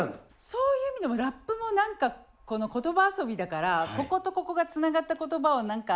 そういう意味でもラップも何か言葉遊びだからこことここがつながった言葉を何か。